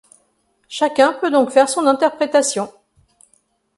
Chacun peut donc faire son interprétation.